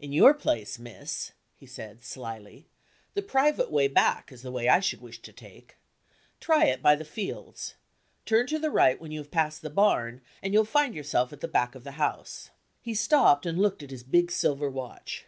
"In your place, miss," he said slyly, "the private way back is the way I should wish to take. Try it by the fields. Turn to the right when you have passed the barn, and you'll find yourself at the back of the house." He stopped, and looked at his big silver watch.